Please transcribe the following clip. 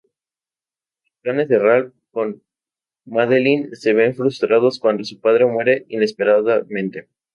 Los planes de Ralph con Madeline se ven frustrados cuando su padre muere inesperadamente.